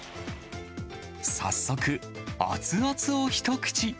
早速、熱々を一口。